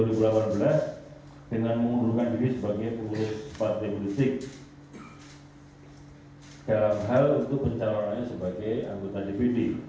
strip enam belas romawi dari semering dua ribu delapan belas dengan mengundurkan diri sebagai pengurus partai politik dalam hal untuk pencarianannya sebagai anggota dpd